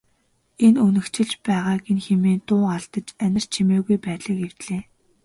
Энэ үнэгчилж байгааг нь хэмээн дуу алдаж анир чимээгүй байдлыг эвдлээ.